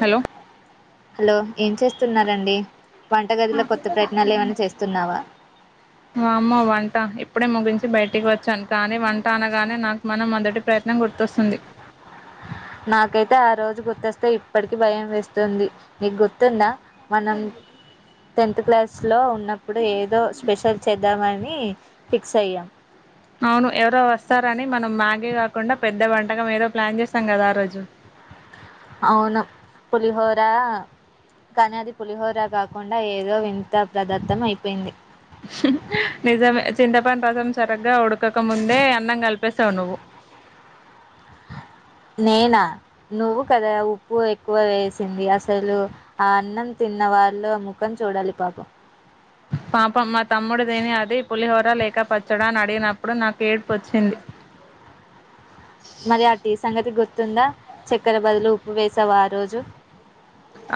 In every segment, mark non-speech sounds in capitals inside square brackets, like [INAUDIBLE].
hello hello ఏం చేస్తున్నారండి వంట గదిలో కొత్త ప్రయత్నాలు ఏమైనా చేస్తున్నావా వామ్మో వంట ఇప్పుడే ముగించి బయటికి వచ్చాను కానీ వంట అనగానే నకు మన మొదటి ప్రయత్నం గుర్తొస్తుంది నాకైతే ఆ రోజు గుర్తొస్తే ఇప్పటికి భయం వేస్తుంది నీకు గుర్తుందా మనం టెన్త్ క్లాస్ లో ఉన్నప్పుడు ఏదో స్పెషల్ చేద్దామని ఫిక్స్ అయ్యాం అవును ఎవరో వస్తారని మనం మ్యాగి కాకుండా పెద్ద వంటకం ఏదో ప్లాన్ చేసాం కదా ఆ రోజు అవును పులిహోరా కానీ అది పులిహోరా కాకుండా ఏదో వింత ప్రదత్తం అయిపోయింది నిజమే చింతపండు రసం సరగ్గా ఉడకక ముందే అన్నం కలిపేసావు నువ్వు నేనా నువ్వు కదా ఉప్పు ఎక్కువ వేసింది అసలు ఆ అన్నం తి తిన్న వాళ్లో ముఖం చూడాలి పాపం పాపం మా తమ్ముడి తిని అది పులిహోర లేక పచ్చడా అని అడిగినప్పుడు నాకు ఏడ్పు వచ్చింది మరి ఆ టీ సంగతి గుర్తుందా చక్కెర బదులు ఉప్పు వేసావు ఆ రోజు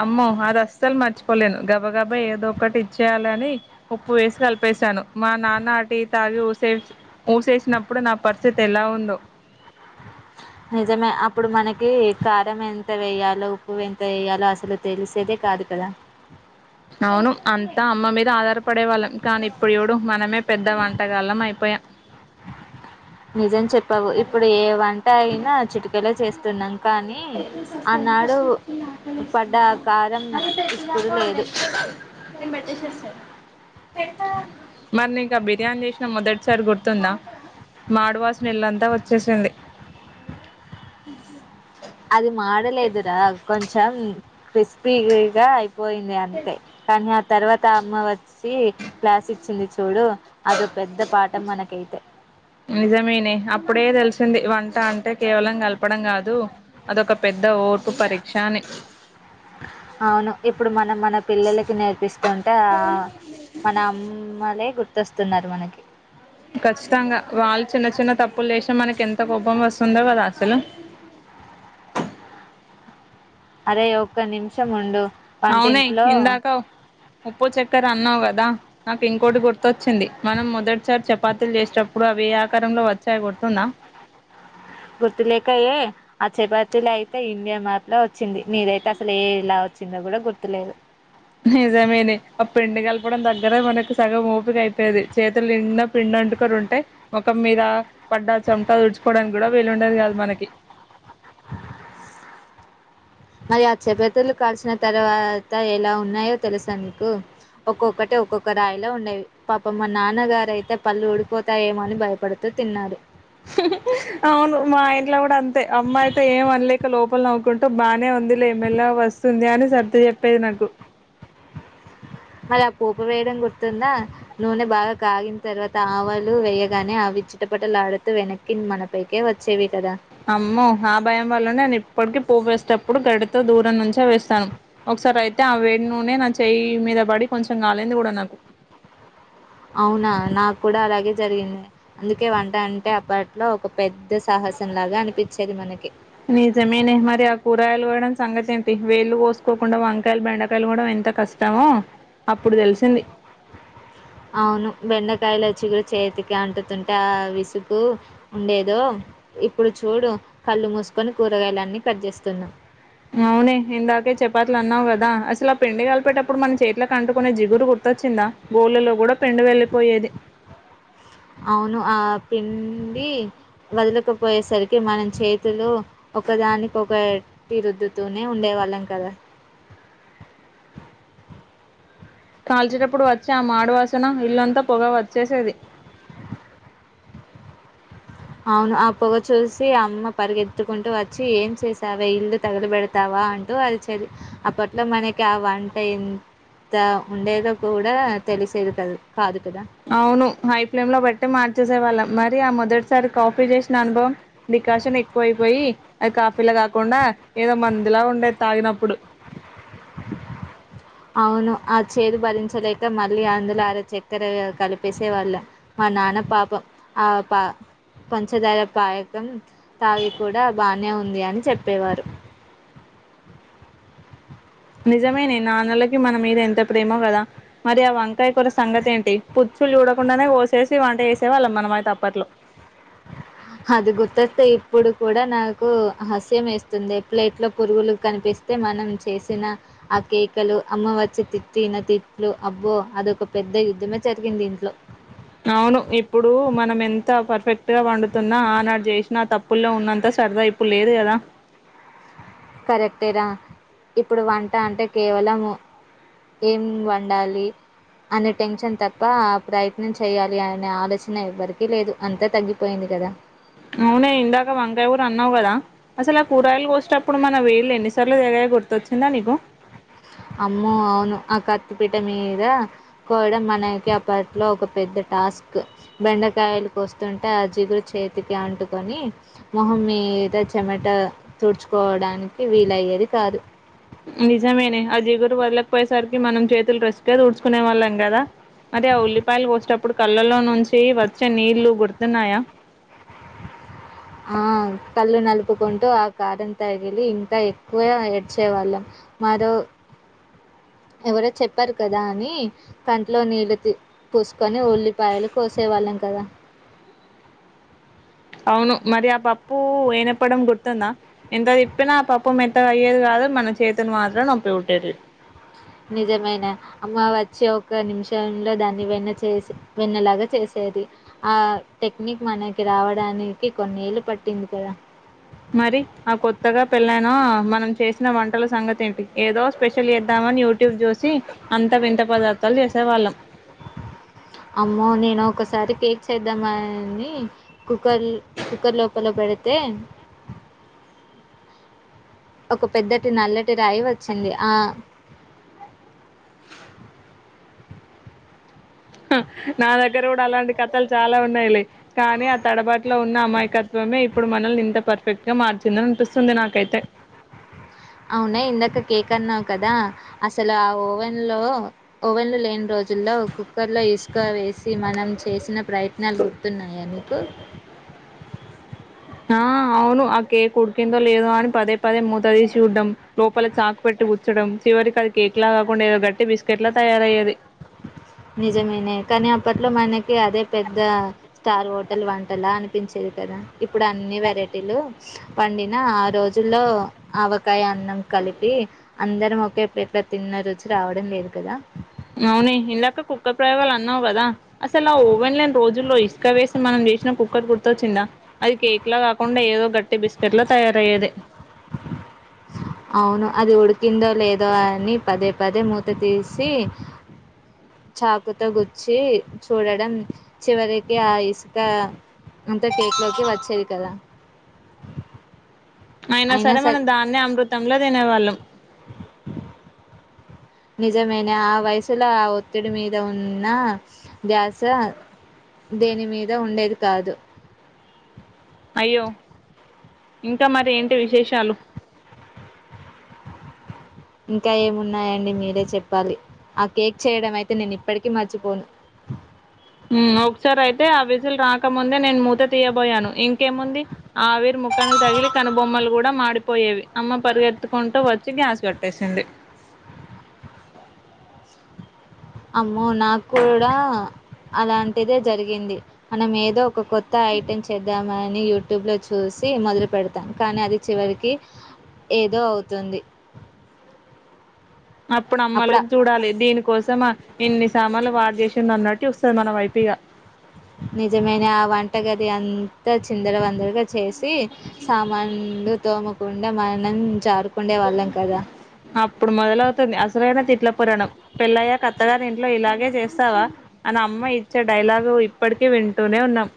అమ్మో అది అస్సలు మర్చిపోలేను గబ గబా ఏదో ఒకటి ఇచ్చేయాల అని ఉప్పు వేసి కలిప వేశాను మా నాన్న ఆ టీ తాగి ఊసే ఊసేసినప్పుడు నా పరిస్థితి ఎలా ఉందో నిజమే అప్పుడు మనకి కారం ఎంత వేయాలో ఉప్పు ఎంత వేయాలో అసలు తెలిసేదే కాదు కదా అవును అంతా అమ్మ మీద ఆధారపడే వాళ్ళం కానీ ఇప్పుడు యూడు మనమే పెద్ద వంటగాళ్ళం అయిపోయాం నిజం చెప్పావు ఇప్పుడు ఏ వంట అయినా చిటుకలో చేస్ స్త ఇ పడ్డ ఆ కారం అది స ఇప్పుడు లేదు [UNINTELLIGIBLE] నేన్ పెట్టేశోస్త మరి నీకా బిర్యానీ చేసిన మొదటిసారి గుర్తుందా మాడువాసన ఇల్లంతా వచ్చేసింది అది మాడలేదురా కొంచెం క్రిస్పీగి గా అయి పోయింది అంతే కానీ ఆ తర్వాత అమ్మ వచ్చి క్లాస్ ఇచ్చింది చూడు అదో పెద్ద పాఠం మనకైతే నిజమనే అప్పుడే తెలిసింది వన్ ట్టా అంటే కేవలం కలపడం కాదు అదొక పెద్ద ఓర్పు పరీక్ష అని అవును ఇప్పుడు మనం మన పిల్లలకి నేర్పిస్తుంటే ఆ మన అమ్మలే గుర్తొస్తున్నారు మనకి ఖచ్చితంగా వాళ్ళు చిన్న చిన్న తప్పులుచేసిన మనకి ఎంత కోపం వస్తుండె కదా అసలు అరె ఒక్క నిమిషం ఉండు అవునె వంటింట్లో ఇందాక ఉప్పు చెక్కర అన్నవ్ కదా కదా నాకు ఇంకోటి గుర్తొచ్చింది మనం మొదటిసారి చపాతీలు చేసేటప్పుడు అవి ఎ ఆకారంలో వచ్ గుర్తులేక ఏ చాపతిలో అయితే ఇండియా మ్యాప్ ల వచ్చింది నీదైతే అసలు ఏ ఇలా వచ్చిందో కూడా గుర్తులేదు నిజమేనే ఆ పిండి కలపడం దగ్గర మనకి సగం ఓపిక అయిపోయేది చేతులనిండా పిండ రెంటు కర ఉంటయ్ ముఖం మీద పడ్డా చమట తుడుచుకోవడానికి కూడా వీలు ఉండేది కాదు మనకి మరి ఆ చపతులు కాలిసిన తర్వాత ఎలా ఉన్నాయో తెలుసా నీకు ఒక్కొక్కటి ఒక్కొక్క రాయిల ఉండేవి పాపమ్ మా నాన్నగారయితే పళ్ళు ఊడిపోతాయో ఏమో అని భయపడుతు తిన్నారు అవును మా ఇంట్లో కూడా అంతే అమ్మాయితే ఏం అనలేక లోపల నవవుకుంటూ బానే ఉం ది లే మెల్లగా వస్తుంది అని సర్దు చెప్పేది నాకు అలా ఆ పోపు వేయడం గుర్తుందా నూనె బాగా కాగిన తర్వాత ఆవాలు వేయగానే అవి చిటపట లాడుతు వెనక్కి మన పైకే వచ్చేవి కదా అమ్మో ఆ భయం వల్ల నేను ఇప్పటికి పోపు వేసేటప్పుడు గడితో దూరం నుంచే వేస్తాను ఒకసారి అయితే ఆ వేడి నూనె నా చెయ్యి మీద పడి కొంచెం గాలింది గుడా నాకు అవునా నాకు కూడా అలాగే జరిగింది అందుకే వంట అంటే అప్పట్లో ఒక పెద్ద సహ సన్ లాగా అనిపించేది మనకి నీజమెనే మరి ఆ కూరగాయలు గొయడం సంగతి ఏంటి వేల్లు గోసుకోకుండా వంకాయలు బెండకాయలు కూడా ఎంత కష్టమో అప్పుడు తెలిసింది అవును బెండకాయల చిగురు చేతికి అంటుతుంటే ఆ విసుగు ఉండేదో ఇప్పుడు చూడు కళ్ళు మూసుకొని కూరగాయలన్నీ కట్ చేస్తున్నా అవునే ఇందాకే చెపాత్లు అన్నావు కదా అసలు ఆ పిండి కలిపేటప్పుడు మనం చేట్లకి అంటుకునే జిగురు గుర్త వచ్చిందా గోళలో గుడా పెండి వెళ్ళలిపోయేది అవును ఆ పిండి వదులకపోయేసరికి మనం చేతిలో ఒకదానికి ఒకటి రుద్దుతూనే ఉండేవాళ్ళం కదా కాల్చేటప్పుడు వచ్చి ఆ మాడు వాసన ఇల్లంతా పొగ వచ్చేసేది అవును ఆ పొగ చూసి అమ్మ పరిగెత్దుకుంటూ వచ్చి ఏం చేసావె ఇల్లు తగల పెడతావా అంటూ అరిచేది అప్పట్లో మనకి ఆ వంట ఎం త ఉండేదో కూడా తెలిసేది కాదు కదా అవును హై ఫ్లేమ్ లో పెట్టి మార్చేసే వాళ్ళం మరి ఆ మొదటి సార్ కాఫీ చేసిన అనుభవం డికాషన్ ఎక్కువ అయిపోయి అది కాఫీలా కాకుండా ఏదో మందులా ఉండే తాగినప్పుడు అవును ఆ చేదు భరించలేక మళ్ళీ అందులో అర చక్కెర కలిపేసేవాళ్ళు మన నాన పాపం ఆ పా పంచధార పాయకం తాగి కూడా బానే ఉంది అని చెప్పేవారు నిజమేనే నాన్నలకి మన మీద ఎంత ప్రేమో కదా మరి ఆ వంకాయ కూర సంగతేంటి పు చ్చుల్ చూడకుండానే కొసేసి వంట చేసేవాళ్ళం మానమైతే అప్పట్లో అది గుర్తొస్తే ఇప్పుడు కూడా నాకు ఆసయ్యం వేస్తుంది ఎ పెట్లో పురుగులు కనిపి స్తే మనం చేసిన ఆ కేకలు అమ్మ వచ్చి తిట్టిన తిట్లు అబ్బో అదొక పెద్ద యుద్ధమే జరిగింది ఇంట్లో అవును ఇప్పుడు మనం ఎంత పర్ఫెక్ట్ గా వండుతున్నా ఆనాడు చేసినా తప్పుల్లో ఉన్నంత సరదా ఇప్పుడు లేదు కదా కరెక్టేరా ఇప్పుడు వంట అంటే కేవలము ఏం వండాలి అనే టెన్షన్ తప్ప ఆ ప్రయత్నం చేయాలి అనే ఆలోచన ఎవ్వరికి లేదు అంతా తగ్గిపోయింది కదా అవునె ఇందాక వంకాయ కూర అన్నావు కదా అసలు ఆ కూరగాయలు కోసేటప్పుడు మన వేళ్లు ఎన్ని సార్లు తెగ గుర్తొచ్చిందా నీకు అమ్మో అవును ఆ కత్తిపీట మీద కోయడం మనకి అప్పట్లో ఒక పె ద్ద టాస్క్ బెండకాయలు కోస్తుంటే ఆ జిగురు చేతికి అంటుకొని మొహం మీద చెమట తూడుచుకోవడానికి వీలయ్యేది కాదు నిజమేనే ఆ జిగురు వదలేకపోయేసరికి మనం చేతులు డ్రెస్సుకే తూడ్చుకునే వాళ్ళం కదా అరే ఆ ఉల్లిపాయలు కోసేటప్పుడు కళ్ళలో నుంచి వచ్చే నీళ్లు గుర్తున్నాయా ఆ కళ్ళు నలుపుకుంటూ ఆ కారం తగిలి ఇంకా ఎక్కువ ఎడ్చేవాళ్ళం మరో ఎవరో చెప్పారు కదా అని కంట్లో నీళ్ళు పూసుకొని ఉల్లిపాయలు కోసే వాళ్ళం కద అవును మరి ఆ పప్పు ఎనప్పడం గుర్తుందా ఎంత తిప్పినా ఆ పప్పు మెత్తగా అయ్యేది కాదు మ న చేతులు మాత్రం నొప్పిపూట్టేది నిజమైన అమ్మ వచ్చి ఒక నిమిషంలో దాన్ని వెన్న చేసి వెన్నలాగా చేసే ఆ టెక్నిక్ మనకి రావడానికి కొన్నేళ్ళు పట్టింది కదా మరి ఆ కొత్తగా పెళ్ళైనా మనం చేసిన వంటల సంగతి ఏంటి ఏదో స్పెషల్ చేద్దాం మని యూట్యూబ్ చూసి అంత వింత పదార్థాలు చేసే వాళ్ళం అమ్మో నేనొకసారి కేక్ చేద్దామని కుక్కర్ కుక్కర్ లోపల పెడితే ఒక పెద్దటి నల్లటి రాయి వచ్చింది ఆ హా నా దగ్గర కూడా అలాంటి కథలు చాలా ఉన్నాయి లే కానీ ఆ తడబాట్లో ఉన్న అమాయకత్వం మే ఇప్పుడు మనల్ని ఇంత పర్ఫెక్ట్ గా మార్చిందనిపిస్తుంది నాకైతే అవునే ఇందాక కేక్ అన్నావు కదా అసలు ఆ ఓవెన్ లో ఓవెన్ లు లేని రోజుల్లో కుక్కర్ లో ఇసుకో వే సీ మనం చేసిన ప్రయత్నం గుర్తున్నాయా మీకు ఆ అవును ఆ కేక్ ఉడికిందో లేదో అని పదే పదే మూత తీసి చూడ్డం లోపల చాకు పెట్టి గు చడం చివరికి అది కేక్ లా కాకుండా ఏదో గట్టి బిస్కెట్ లా తయారయ్యేది నిజమేనే కానీ అప్పట్లో మనకి అదే పెద్ద స్టార్ హోటల్ వంటలా అనిపించేది కదా ఇప్పుడు అన్ని వెరైటీలు వండిన ఆ రోజుల్లో ఆవకాయ అన్నం కలి కలిపి అందరం ఒకే ప్లేట్ల తిన్న రుచి రావడం లేదు కదా అవునే ఇందాక కుక్కర్ ప్రయోగాలు అన్నావు కదా అసలు ఆ ఓవెన్ లేని రోజుల్లో ఇసుక వేసి మనం చేసినా కుక్కర్ గుర్తొచ్చిందా అది కేక్ లా కాకుండా ఏదో గట్టి బిస్కెట్ లా తయారయ్యేది అవును అది ఉడికిందో లేదో అని పదే పదే మూత తీసి చాకుతో గుచ్చి చూడడం చివరికి ఆ ఇసుక అంత టేక్ లోకి వచ్చేది కదా అయినా సరే మనం దాన్నె అమృతంలా తినేవాళ్ళం నిజమైన ఆ వయసులా ఆ ఒత్తిడి మీద ఉన్న ధ్యాస దేని మీద ఉండేది కాదు అయ్యో ఇంకా మరి ఏంటి విశేషాలు ఇంకా ఏమున్నాయండి మీరే చెప్పాలి ఆ కేక్ చేయడం అయితే నేనిప్పటికి మర్చిపోను ఉమ్ ఒకసారి అయితే ఆ విజుల్ రాకముందే నేను మూత తీయబోయాను ఇం కేముంది ఆవిరి ముఖానికి తగిలి కనుబొమ్మలు కూడా మా డిపోయేవి అమ్మ పరిగెత్తుకుంటూ వచ్చి గ్యాస్ గట్టేసింది అమ్మో నాకూడా అలాంటిదే జరిగింది మనం ఏదో ఒక కొత్త ఐటెమ్ చేద్దామ ని యూట్యూబ్ లో చూసి మొదలు పెడత కానీ అది చివరికి ఏదో అవుతుంది అప్పుడు అప్పుడమ్మలుక్ చూడాలి దీనికోసమా ఇన్ని సామాన్లు వాడ్ చేసి న్నట్టు చూస్తది మన వైపిగా నిజమేనే ఆ వంటగది అంతా చిందర వందరగా చేసి సామాన్లు తోమకుండా మనం జారు అప్పుడు మొదలవుతుంది అసలైైన తిట్ల పురాణం పెళ్ళయ్యాక అత్తగారింట్లో ఇలాగే చేస్తావా అని అమ్మయిచ్చే డైలాగు ఇప్పటికీ వింటూనే ఉన్నాం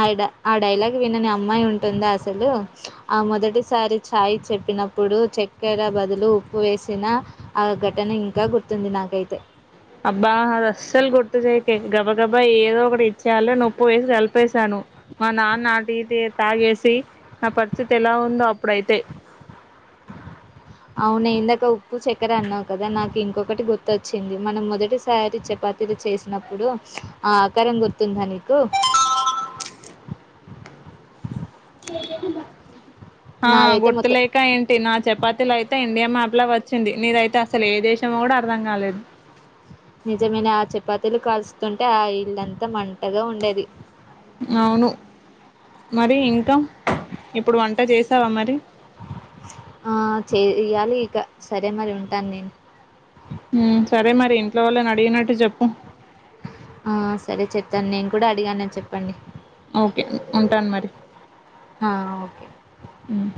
ఆ డై ఆ డైలాగ్ వినని అమ్మాయి ఉంటుందా అసలు ఆ మొదటిసారి ఛాయ్ చెప్ ప్పినప్పుడు చెక్కెర బదులు ఉప్పు వేసిన ఆ ఘటన ఇంకా గుర్తుంది నాకైతే అబ్బా అది అస్సలు గుర్తు చేయకే గబా గబా ఏదో ఒకటి ఇచ్చేయల నొప్పు వేసి కలిపేసాను మా నాన్న ఆ టి తే తాగేసి నా పరిస్థితి ఎలా ఉందో అప్పుడైతే అవును ఇందాక ఉప్పు చక్కర అన్నావు కదా నాకు ఇంకొకటి గుర్తొచ్చింది మనం మొదటిసారి చెపా తిలు చేసినప్పుడు ఆ ఆకారం గుర్తుందా నీకు ఆ నాదైతే మొత్తం గుర్తులేక ఏంటి నా చపాతీలైతే ఇండియా మ్యాప్ ప్ల అట్లా వచ్చింది నీదైతే అసలేదేశమో గూడా అర్ధం కాలేదు నిజమేనే ఆ చపాతీలు కలుస్తుంటే ఆ ఇల్లంతా మంటగా ఉండేది అవును మరి ఇంకా ఇప్పుడు వంట చేసావా మరి ఆ చేయాలి ఇక సరే మరి ఉంటానేను ఉమ్ సరే మరి ఇంట్లో వాళ్ళని అడిగినట్టు చెప్పు ఆ సరే చెప్తాను నేను కూడా అడిగానని చెప్పండి ఓకే ఉంటాను మరి ఆ ఓకే మ్